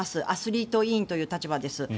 アスリート委員という立場です。